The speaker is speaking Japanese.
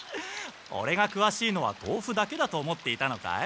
オレがくわしいのは豆腐だけだと思っていたのかい？